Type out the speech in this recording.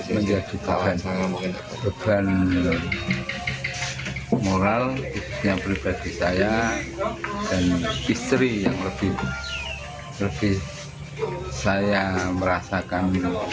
menjadi beban moral yang pribadi saya dan istri yang lebih saya merasakan